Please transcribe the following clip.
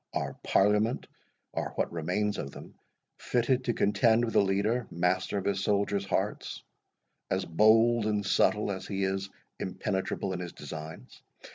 Are Parliament, or what remains of them, fitted to contend with a leader, master of his soldiers' hearts, as bold and subtle as he is impenetrable in his designs!